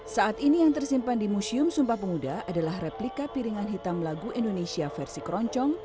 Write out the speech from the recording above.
saat ini yang tersimpan di museum sumpah pemuda adalah replika piringan hitam lagu indonesia versi keroncong